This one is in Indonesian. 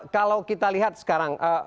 kalau kita lihat sekarang